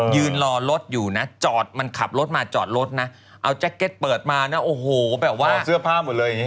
ยืนรอรถอยู่นะจอดมันขับรถมาจอดรถนะเอาแจ็คเก็ตเปิดมานะโอ้โหแบบว่าเสื้อผ้าหมดเลยอย่างนี้